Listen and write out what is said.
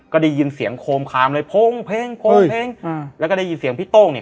ก็ได้ยินเสียงโคมคามเลยโพงเพลงโพงเพลงอ่าแล้วก็ได้ยินเสียงพี่โต้งเนี่ย